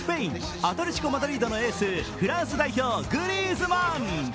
アトレチコ・マドリードのエース、フランス代表、グリーズマン。